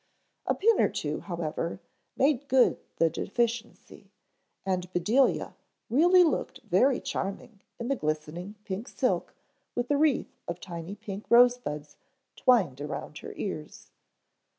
A pin or two, however, made good the deficiency, and Bedelia really looked very charming in the glistening pink silk with a wreath of tiny pink rosebuds twined around her ears.